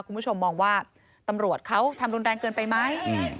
คุณผู้ชมมองว่าตำรวจเขาทำรุนแรงเกินไปไหม